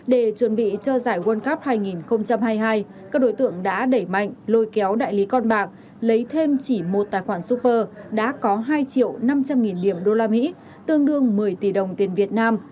để chuẩn bị cho giải world cup hai nghìn hai mươi hai các đối tượng đã đẩy mạnh lôi kéo đại lý con bạc lấy thêm chỉ một tài khoản super đã có hai triệu năm trăm linh nghìn điểm đô la mỹ tương đương một mươi tỷ đồng tiền việt nam